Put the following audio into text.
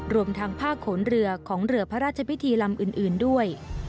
รวมทางผ้าโขนเรือของเรือพระราชพิธีลำอื่นด้วย